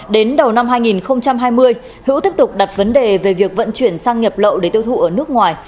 đến đầu năm hai nghìn hai mươi hữu tiếp tục đặt vấn đề về việc vận chuyển sang nhập lậu để tiêu thụ ở nước ngoài